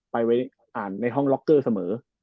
ไปอ่านในห้องล็อกเกอร์เสมอ